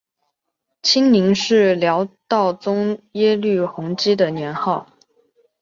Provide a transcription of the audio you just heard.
清宁是辽道宗耶律洪基的年号。